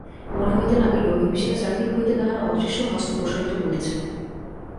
মনে হইতে লাগিল বিভীষিকা চারিদিক হইতে তাহার অদৃশ্য হস্ত প্রসারিত করিতেছে।